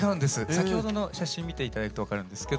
先ほどの写真見て頂くと分かるんですけど